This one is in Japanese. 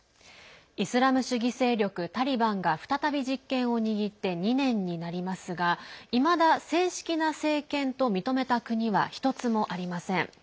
イスラム主義勢力タリバンが再び実権を握って２年になりますがいまだ正式な政権と認めた国は１つもありません。